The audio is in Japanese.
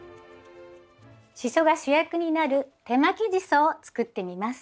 シソが主役になる手巻きジソを作ってみます。